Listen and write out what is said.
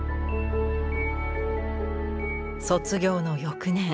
卒業の翌年。